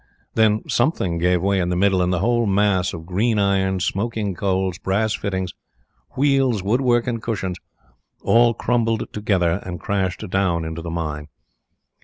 Then something gave way in the middle, and the whole mass of green iron, smoking coals, brass fittings, wheels, wood work, and cushions all crumbled together and crashed down into the mine.